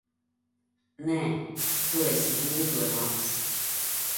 Nē, tu esi Gūgle maps!